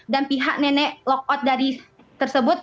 dan pihak nenek lock out dari tersebut